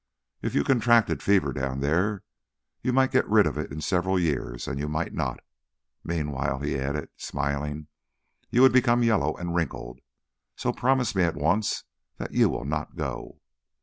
If you contracted fever down there, you might get rid of it in several years and you might not. Meanwhile," he added, smiling, "you would become yellow and wrinkled. So promise me at once that you will not go."